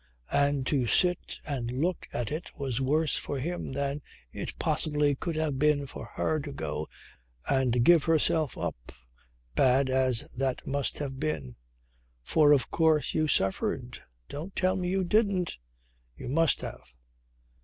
And to sit and look at it was worse for him than it possibly could have been for her to go and give herself up, bad as that must have been. "For of course you suffered. Don't tell me you didn't? You must have."